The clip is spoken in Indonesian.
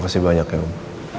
makasih banyak ya om